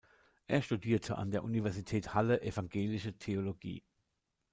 Er studierte an der Universität Halle Evangelische Theologie.